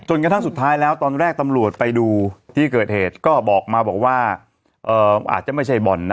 กระทั่งสุดท้ายแล้วตอนแรกตำรวจไปดูที่เกิดเหตุก็บอกมาบอกว่าอาจจะไม่ใช่บ่อนนะ